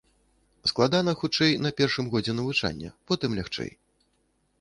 Складана, хутчэй, на першым годзе навучання, потым лягчэй.